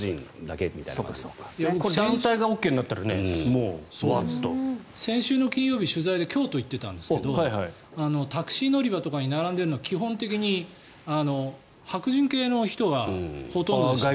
団体がＯＫになったら先週の金曜日、取材で京都に行ってたんですけどタクシー乗り場とかに並んでるのは基本的に白人系の人がほとんどでした。